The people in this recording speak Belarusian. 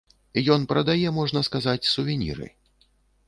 Ён прадае, можна сказаць, сувеніры.